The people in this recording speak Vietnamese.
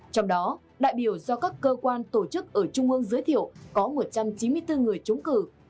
trong đó đại biểu do các cơ quan tổ chức ở trung ương giới thiệu có một trăm chín mươi bốn người trúng cử